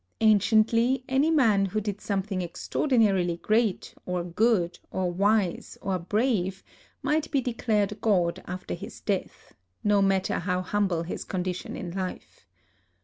Anciently any man who did something ex traordinarily great or good or wise or brave might be declared a god after his death, no matter how humble his condition in life.